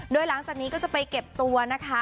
โดยหลังจากนี้ก็จะไปเก็บตัวนะคะ